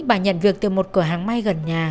bà nhận việc từ một cửa hàng may gần nhà